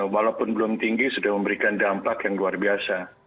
walaupun belum tinggi sudah memberikan dampak yang luar biasa